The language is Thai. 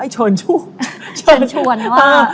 เชิญชวนว่ะ